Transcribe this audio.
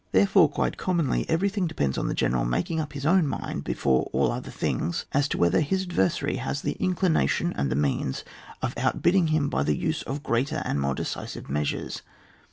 Therefore, quite commonly, eveiything depends on the general making up his own mind before all things as to whether his adverseu^ has the inclination and the means of outbidding him by the use of greater and more decisive measures.